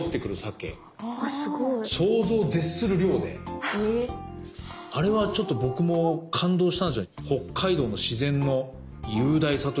想像絶する量であれはちょっと僕も感動したんすよ北海道の自然の雄大さというか。